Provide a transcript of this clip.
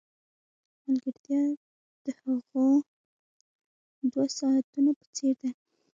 ملګرتیا د هغو دوو ساعتونو په څېر ده.